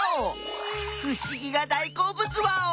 ふしぎが大好物ワオ！